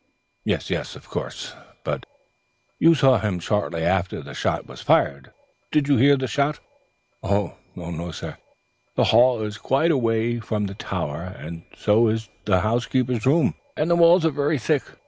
"Yes, yes, of course. But you saw him shortly after the shot was fired. Did you hear the report?" "No, sir. The hall is quite away from the tower, and so is the housekeeper's room; and the walls are very thick.